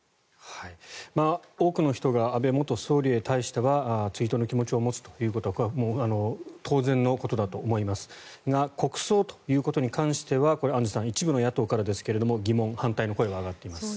多くの人が安倍元総理に対しては追悼の気持ちを持つということは当然のことだと思いますが国葬ということに関してはアンジュさん一部の野党からですが疑問、反対の声が上がっています。